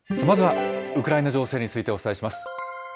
まずはウクライナ情勢についてお伝えします。